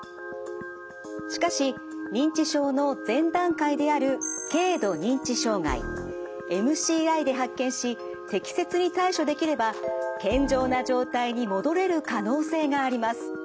しかし認知症の前段階である軽度認知障害ＭＣＩで発見し適切に対処できれば健常な状態に戻れる可能性があります。